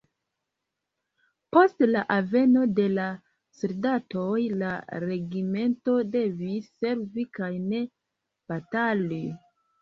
Post la alveno de la soldatoj, la regimento devis servi kaj ne batali.